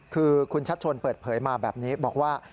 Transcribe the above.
คือคุณชัดชนเปิดเผยมาแบบนี้บอกว่า